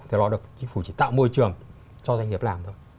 phải lo được chính phủ chỉ tạo môi trường cho doanh nghiệp làm thôi